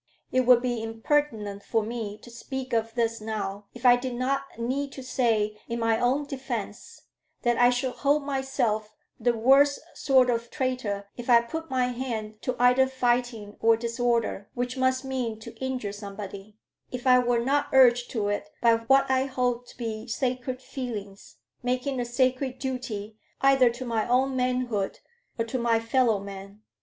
It would be impertinent for me to speak of this now, if I did not need to say in my own defence, that I should hold myself the worst sort of traitor if I put my hand to either fighting or disorder which must mean to injure somebody if I were not urged to it by what I hold to be sacred feelings, making a sacred duty either to my own manhood or to my fellow man.